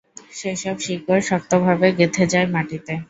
সেসব শিকড় শক্তভাবে গেঁথে যায় মাটিতে।